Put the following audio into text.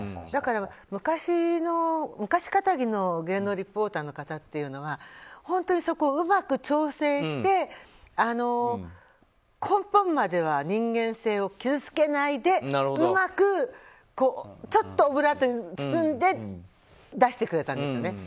だから、昔気質の芸能リポーターの方っていうのは本当にそこをうまく調整して根本までは人間性を傷つけないでうまくこうちょっとオブラートに包んで出してくれたんですよね。